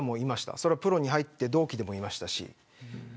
それはプロに入って同期でもいました。